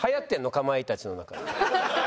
かまいたちの中で。